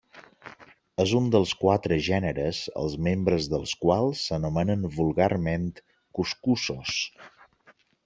És un dels quatre gèneres els membres dels quals s'anomenen vulgarment cuscussos.